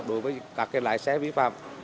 đối với các cái lái xe vi phạm